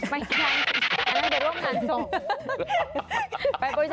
ไม่ใช่ไปร่วมการศพ